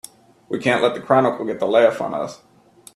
We can't let the Chronicle get the laugh on us!